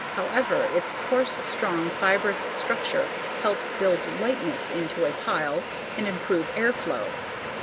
However, its coarse, strong, fibrous structure helps build lightness into a pile and improve air flow.